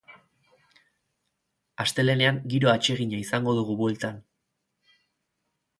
Astelehenean giro atsegina izango dugu bueltan.